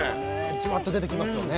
ジワッと出てきますよね。